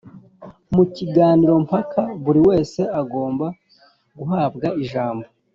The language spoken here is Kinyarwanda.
Mu kiganiro mpaka, buri wese agomba guhabwa ijambo